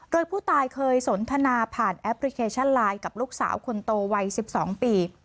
โดยผู้ตายเคยสนทนาผ่านแอปพลิเคชันไลน์กับลูกสาวคนโตวัย๑๒ปี